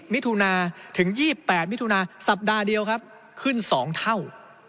มิถุนาถึง๒๘มิถุนาสัปดาห์เดียวครับขึ้น๒เท่า